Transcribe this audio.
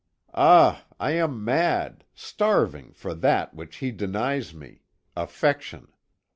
Ah! I am mad, starving for that which he denies me affection.